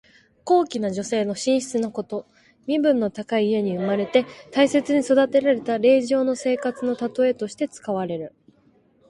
高貴な女性の寝室のこと。身分の高い家に生まれて大切に育てられた令嬢の生活のたとえとして使われる。